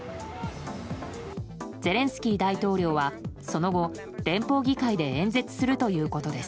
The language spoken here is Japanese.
ゼレンスキー大統領は、その後連邦議会で演説するということです。